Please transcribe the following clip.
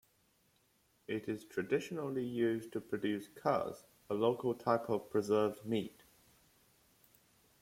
It is traditionally used to produce Cuz, a local type of preserved meat.